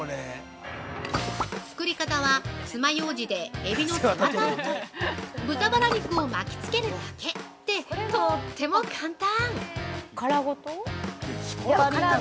作り方は、爪ようじでエビの背わたを取り豚バラ肉を巻きつけるだけ！ってとっても簡単！